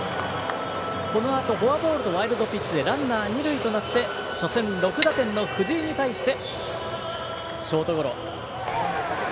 このあとフォアボールとワイルドピッチでランナー、二塁となって初戦６打点の藤井に対してショートゴロ。